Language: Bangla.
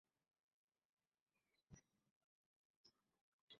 আমার শুকনা মুখ দেখে তিনি খুব আনন্দিত হলেন বলে মনে হলো।